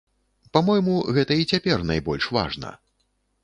Па-мойму, гэта і цяпер найбольш важна.